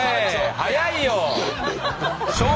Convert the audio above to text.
早いよ！